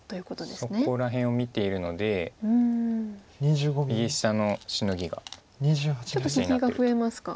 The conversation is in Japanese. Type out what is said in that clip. そこら辺を見ているので右下のシノギが気になってると。